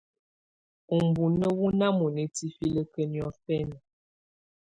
Ubunǝ́ wù nà mɔ̀na tifilǝ́kǝ́ niɔ̀fɛna.